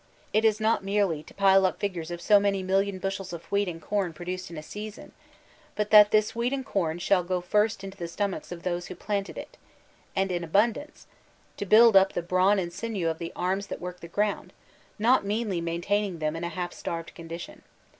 It is not merely to pile up figures of so many million bushels of wheat and com produced in a season ; but that this wheat and com shall first go into the stomachs of those who planted it — and in abun dance; to build up the brawn and sinew of the arms tfiat work the ground, not meanly maintaining them in a half starved condition.